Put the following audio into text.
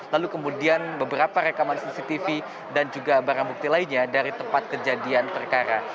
lalu kemudian beberapa rekaman cctv dan juga barang bukti lainnya dari tempat kejadian perkara